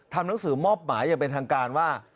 หนังสือมอบหมายอย่างเป็นทางการว่า